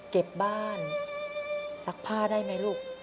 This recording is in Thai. เก็บบ้านซักผ้าได้ไหมลูก